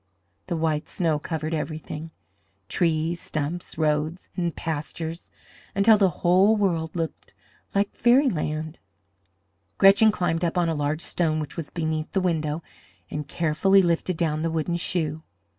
The white snow covered everything trees, stumps, roads, and pastures until the whole world looked like fairyland. Gretchen climbed up on a large stone which was beneath the window and carefully lifted down the wooden shoe.